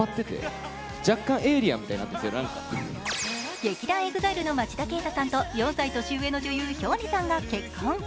劇団ＥＸＩＬＥの町田啓太さんと４歳年上の女優、玄理さんが結婚。